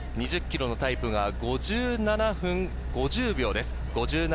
２０ｋｍのタイムが５７分５０秒です。